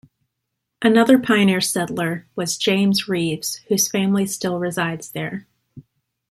Another pioneer settler was James Reaves, whose family still resides there.